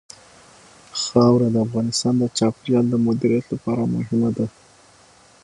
خاوره د افغانستان د چاپیریال د مدیریت لپاره مهم دي.